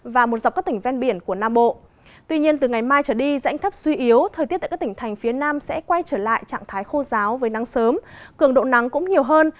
và sau đây là dự báo thời tiết trong ba ngày tại các khu vực trên cả nước